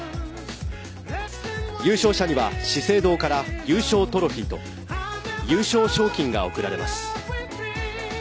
優勝者には、資生堂から優勝トロフィーと優勝賞金が贈られます。